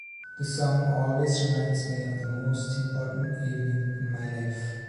This song always reminds me of the most important evening in my life.